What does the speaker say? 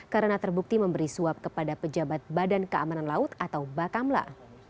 karena terbukti memberi suap kepada pejabat badan keamanan laut atau bakamla